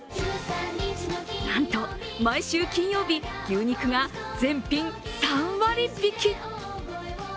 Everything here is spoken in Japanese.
なんと毎週金曜日、牛肉が全品３割引。